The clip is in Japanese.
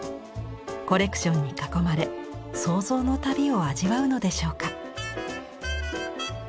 コレクションに囲まれ想像の旅を味わうのでしょうか。